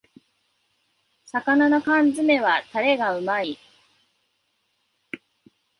魚の缶詰めはタレがうまい